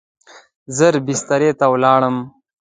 ژر بسترې ته ولاړم.